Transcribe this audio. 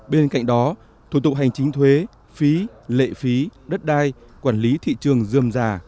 bên cạnh đó thủ tục hành chính thuế phí lệ phí đất đai quản lý thị trường dươm già